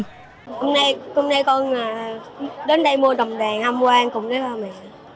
hôm nay con đến đây mua đồng đèn hâm quan cùng với ba mẹ